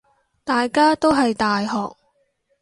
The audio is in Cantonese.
大家都係大學